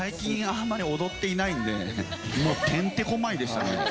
最近あまり踊っていないので、もうてんてこまいでしたね。